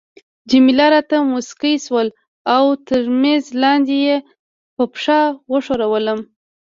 جميله راته مسکی شول او تر میز لاندي يې په پښه وښورولم.